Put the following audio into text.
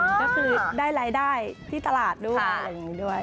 ก็คือได้รายได้ที่ตลาดด้วย